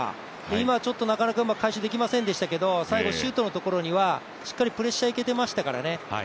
今、なかなかうまく回収できませんでしたけど最後、シュートのとこｒではしっかりプレッシャーいけてましたからね。